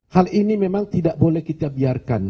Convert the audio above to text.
hal ini memang tidak boleh kita biarkan